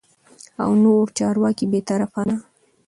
او نور چارواکي بې طرفانه